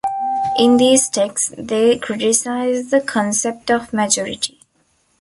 In these texts, they criticize the concept of "majority".